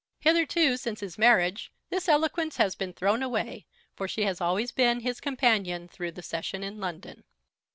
Hitherto, since his marriage, this eloquence has been thrown away, for she has always been his companion through the Session in London.